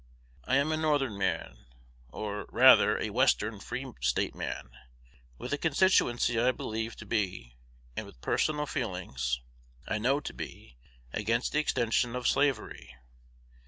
I am a Northern man, or, rather, a Western Free State man, with a constituency I believe to be, and with personal feelings I know to be, against the extension of slavery.